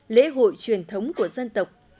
lễ hội truyền thống của dân tộc